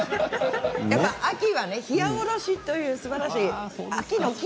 秋はひやおろしというすばらしい。